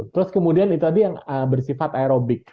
terus kemudian itu tadi yang bersifat aerobik